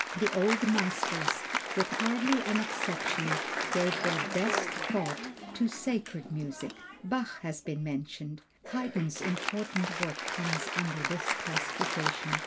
The old masters with hardly an exception gave their best thought to sacred music. Bach has been mentioned. Haydn's important work comes under this classification.